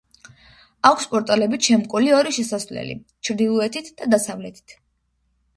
აქვს პორტალებით შემკული ორი შესასვლელი ჩრდილოეთით და დასავლეთით.